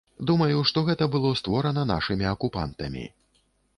Думаю, што гэта было створана нашымі акупантамі.